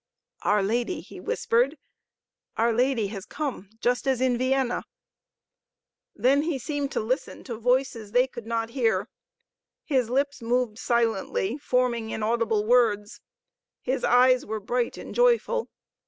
"Our Lady!" he whispered. "Our Lady has come, just as in Vienna." Then he seemed to listen to voices they could not hear. His lips moved silently, forming inaudible words. His eyes were bright and joyful.